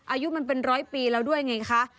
อายุมันเป็นร้อยปีแล้วด้วยไงคะ